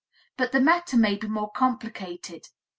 But the matter may be more complicated.